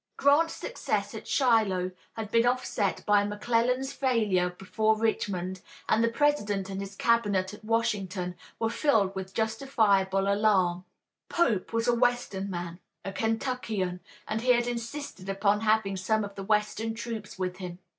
Grant's success at Shiloh had been offset by McClellan's failure before Richmond, and the President and his Cabinet at Washington were filled with justifiable alarm. Pope was a western man, a Kentuckian, and he had insisted upon having some of the western troops with him.